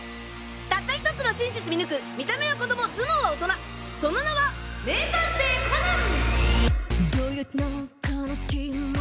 たった１つの真実見抜く見た目は子供頭脳は大人その名は名探偵コナン！